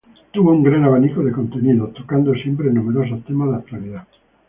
Tuvo un gran abanico de contenidos, tocando siempre numerosos temas de actualidad.